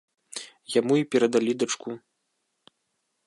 Яму і перадалі дачку.